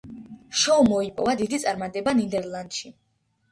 შოუმ მოიპოვა დიდი წარმატება ნიდერლანდში.